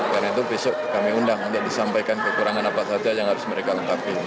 karena itu besok kami undang untuk disampaikan kekurangan apa saja yang harus mereka lengkapi